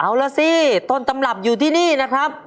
เอาล่ะสิต้นตำรับอยู่ที่นี่นะครับ